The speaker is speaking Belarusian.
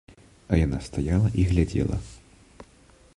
А яна стаяла і глядзела.